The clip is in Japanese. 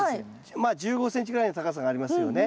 まあ１５ｃｍぐらいの高さがありますよね。